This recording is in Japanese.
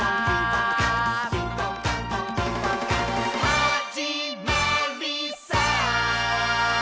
「はじまりさー」